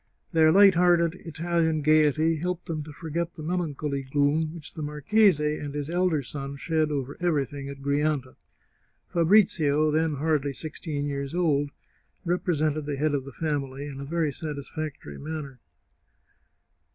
Their light hearted Italian gaiety helped them to forget the melancholy gloom which the marchese and his elder son shed over everything at Grianta. Fabrizio, then hardly sixteen years old, represented the head of the family in a very satisfactory manner.